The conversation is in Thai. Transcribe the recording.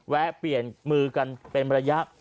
เปลี่ยนมือกันเป็นระยะ